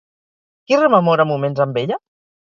Qui rememora moments amb ella?